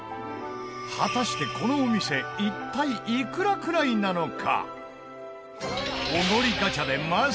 果たして、このお店一体いくらくらいなのか？